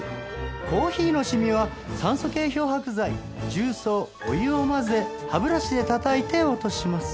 コーヒーのシミは酸素系漂白剤重曹お湯を混ぜ歯ブラシでたたいて落とします。